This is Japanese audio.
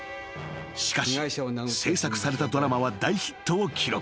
［しかし制作されたドラマは大ヒットを記録］